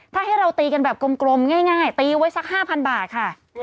ถ้าให้เราตีกันแบบกลมง่ายตีไว้สัก๕๐๐บาทค่ะ